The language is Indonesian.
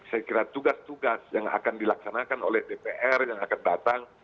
saya kira tugas tugas yang akan dilaksanakan oleh dpr yang akan datang